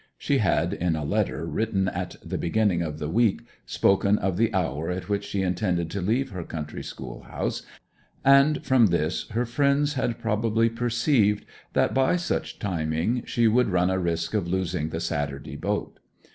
She had, in a letter written at the beginning of the week, spoken of the hour at which she intended to leave her country schoolhouse; and from this her friends had probably perceived that by such timing she would run a risk of losing the Saturday boat.